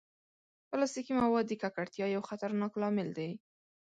پلاستيکي مواد د ککړتیا یو خطرناک لامل دي.